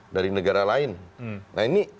dari negara lain nah ini